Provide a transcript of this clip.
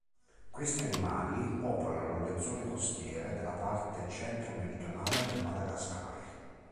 Questi animali popolano le zone costiere della parte centro-meridionale del Madagascar.